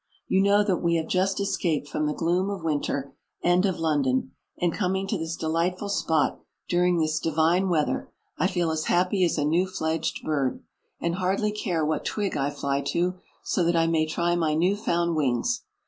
You know that we have just escaped from the gloom of winter and of London ; and coming to this delight ful spot during this divine weather, I 97 feel as happy as a new fledged bird, and hardly care what twig I fly to, so that I may try my new found wings.